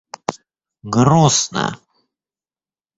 грустно